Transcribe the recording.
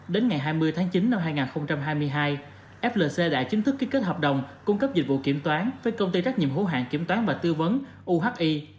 đến ngày hai mươi tháng chín năm hai nghìn hai mươi hai flc đã chính thức ký kết hợp đồng cung cấp dịch vụ kiểm toán với công ty trách nhiệm hữu hạng kiểm toán và tư vấn uhi